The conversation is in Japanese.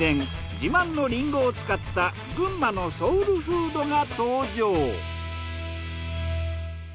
自慢のリンゴを使った群馬のソウルフードが登場！